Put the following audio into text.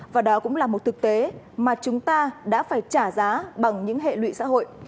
và đó cũng là một thực tế mà chúng ta đã phải trả giá bằng những hệ lụy xã hội